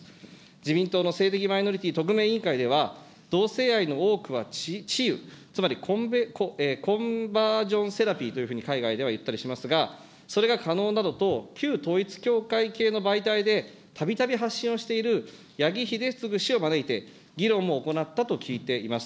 自民党の性的マイノリティー特命委員会では、同性愛の多くは治癒、コンバージョンセラピーという、海外ではいったりしますが、それが可能などと旧統一教会系の媒体でたびたび発信をしているやぎひでつぐ氏を招いて、議論も行ったと聞いています。